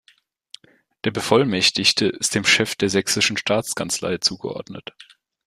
Der Bevollmächtigte ist dem Chef der Sächsischen Staatskanzlei zugeordnet.